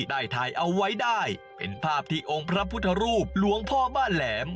ได้ถ่ายเอาไว้ได้เป็นภาพที่องค์พระพุทธรูปหลวงพ่อบ้านแหลม